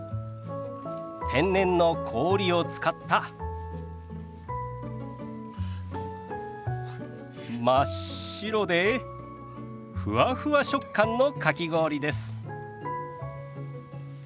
天然の氷を使った真っ白でふわふわ食感のかき氷です。